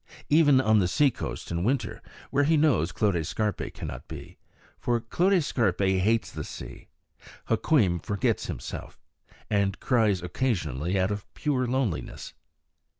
Even on the seacoast in winter, where he knows Clote Scarpe cannot be for Clote Scarpe hates the sea Hukweem forgets himself, and cries occasionally out of pure loneliness.